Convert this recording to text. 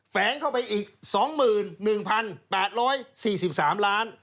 แฝงเข้าไปอีก๒๑๘๔๓ล้าน